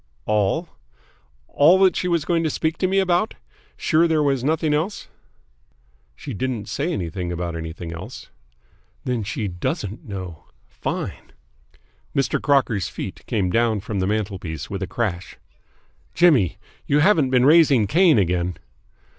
"All that she was going to speak to me about? Sure there was nothing else?" "She didn't say anything about anything else." "Then she doesn't know! Fine!" Mr. Crocker's feet came down from the mantelpiece with a crash. "Jimmy! You haven't been raising Cain again?"